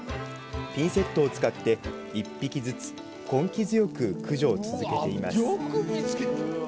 ピンセットを使って１匹ずつ根気強く、駆除を続けています。